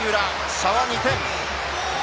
差は２点。